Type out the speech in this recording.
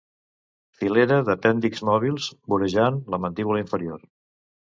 Filera d'apèndixs mòbils vorejant la mandíbula inferior.